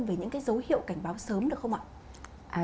về những cái dấu hiệu cảnh báo sớm được không ạ